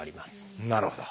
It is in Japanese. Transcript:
なるほど。